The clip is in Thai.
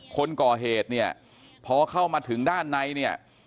คนก่อเหตุเนี่ยพอเข้ามาถึงด้านในเนี่ย